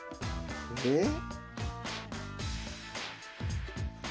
え？